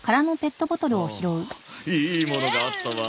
ああいいものがあったわ！